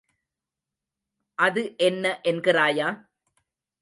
அது என்ன என்கிறாயா?